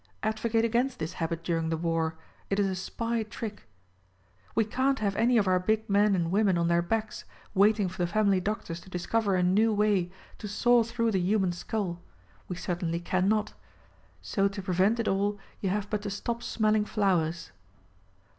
Advocate against this habit during the war : It's a SPY trick 1 We can't have any of our big men and women on their backs — waiting for the family doctors to discover a new way to saw through the human skull ; we certainly cannot ! So to prevent it all you have but to stop smelling flowers.